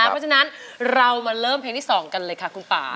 เพราะฉะนั้นเรามาเริ่มเพลงที่๒กันเลยค่ะคุณป่า